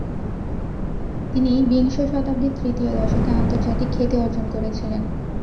তিনি বিংশ শতাব্দীর তৃতীয় দশকে আন্তর্জাতিক খ্যাতি অর্জ্জন করেছিলেন।